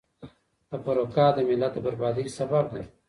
تفرقه د ملت د بربادۍ سبب ده.